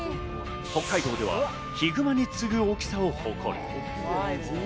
北海道ではヒグマに次ぐ大きさを誇る。